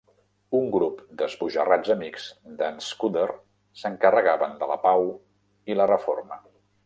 Un grup d'esbojarrats amics d'en Scudder s'encarregaven de la pau i la reforma.